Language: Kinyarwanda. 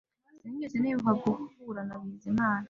Sinigeze nibuka guhura na Bizimana